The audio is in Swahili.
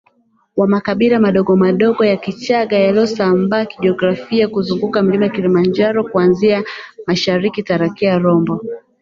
wa makabila madogomadogo ya Kichagga yaliyosambaa kijiografia kuzunguka mlima Kilimanjaro kuanzia mashariki Tarakea Rombo